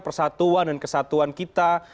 persatuan dan kesatuan kita